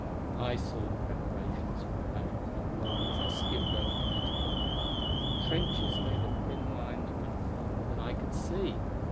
I saw the preparations for a battle front below me as I skimmed over Connecticut. Trenches made a thin line that went farther than I could see!